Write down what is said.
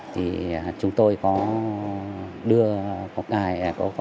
thì chúng tôi có đưa một ngày